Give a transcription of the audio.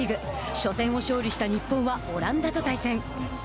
初戦を勝利した日本はオランダと対戦。